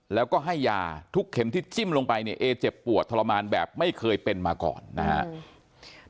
แล้วก็ให้ยาทุกเข็มที่จิ้มลงไปเนี่ยเอเจ็บปวดทรมานแบบไม่เคยเป็นมาก่อนนะครับ